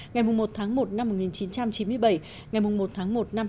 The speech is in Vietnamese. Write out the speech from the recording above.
ngày một tháng một năm một nghìn chín trăm chín mươi bảy ngày một tháng một năm hai nghìn hai mươi